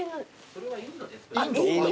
これはインドですね。